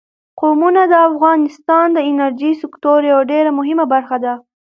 قومونه د افغانستان د انرژۍ سکتور یوه ډېره مهمه برخه ده.